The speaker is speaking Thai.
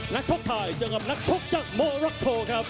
ชกไทยเจอกับนักชกจากโมรักโคครับ